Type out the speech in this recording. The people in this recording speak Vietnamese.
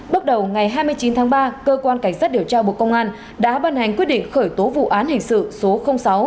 bước đầu ngày hai mươi chín tháng ba cơ quan cảnh sát điều tra bộ công an đã ban hành quyết định khởi tố vụ án hình sự số sáu